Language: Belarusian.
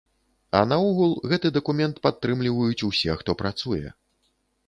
А наогул гэты дакумент падтрымліваюць усе, хто працуе.